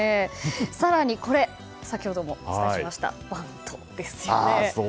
更に、これ先ほどもお伝えしましたバントですね。